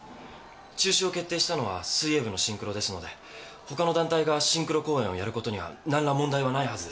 中止を決定したのは水泳部のシンクロですのでほかの団体がシンクロ公演をやることには何ら問題はないはずです。